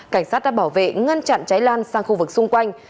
cảnh sát đã bảo vệ ngăn chặn cháy lan sang khu vực xung quanh